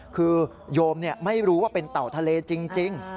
คือโยมไม่รู้ว่าเป็นเต่าทะเลจริง